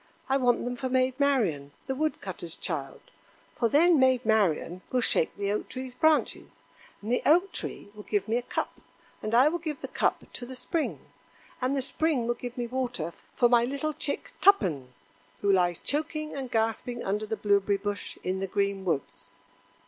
I want them for Maid Marian, the wood cutter's child; for then Maid Marian will shake the Oak tree's branches, and the Oak tree will give me a cup, and I will give the cup to the Spring, and the Spring will give me water for my little chick Tuppen, who lies choking and gasping under the blueberry bush in the green woods."